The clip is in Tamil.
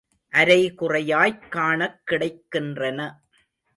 அரைகுறையாய்க் காணக் கிடைக்கின்றன.